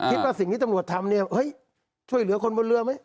คิดว่าสิ่งที่ตำรวจทำเนี่ยเฮ้ยช่วยเหลือคนบนเรือไหม